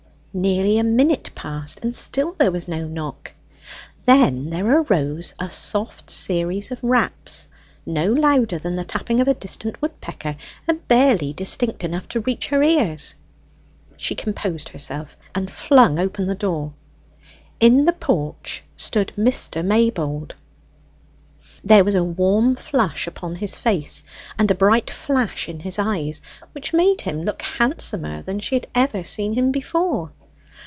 Nearly a minute passed, and still there was no knock. Then there arose a soft series of raps, no louder than the tapping of a distant woodpecker, and barely distinct enough to reach her ears. She composed herself and flung open the door. In the porch stood Mr. Maybold. There was a warm flush upon his face, and a bright flash in his eyes, which made him look handsomer than she had ever seen him before.